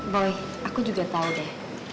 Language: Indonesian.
boy aku juga tau deh